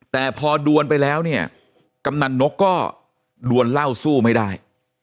แต่พอดวนไปแล้วเนี่ยกำนันนกก็ดวนเหล้าสู้ไม่ได้